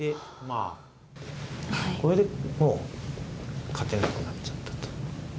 これでもう勝てなくなっちゃったと。